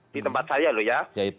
di tempat saya loh ya